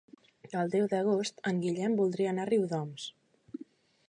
El deu d'agost en Guillem voldria anar a Riudoms.